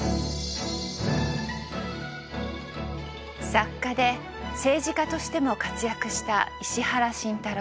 作家で政治家としても活躍した石原慎太郎。